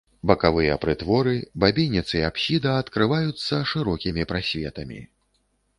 Бакавыя прытворы, бабінец і апсіда адкрываюцца шырокімі прасветамі.